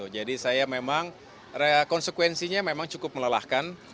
jadi saya memang konsekuensinya cukup melelahkan